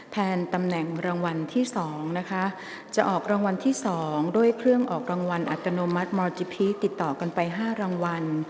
ตำแหน่งรางวัลที่๒นะคะจะออกรางวัลที่๒ด้วยเครื่องออกรางวัลอัตโนมัติมอลจิพีติดต่อกันไป๕รางวัล